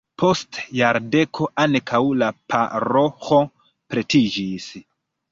Post jardeko ankaŭ la paroĥo pretiĝis.